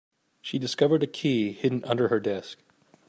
She discovered a key hidden under her desk.